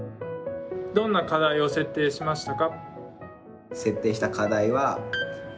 どんな課題を設定しましたか？